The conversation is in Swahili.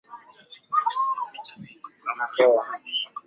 kwamba awali Waroma hawakuelewa tofauti kati ya wafuasi wake na Wayahudi